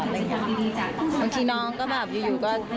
บางทีน้องก็แบบอยู่ก็